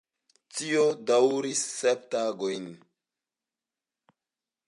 Tio daŭris sep tagojn.